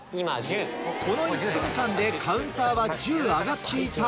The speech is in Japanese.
この１分間でカウンターは１０上がっていた。